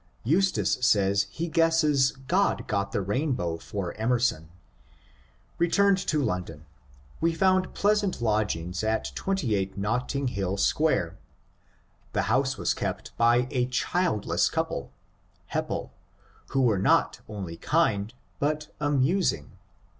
Eustace says he guesses God got the rainbow for Emerson." Returned to London, we found pleasant lodgings at 28 Netting Hill Square. The house was kept by a childless couple (Hepple), who were not only kind but amusing.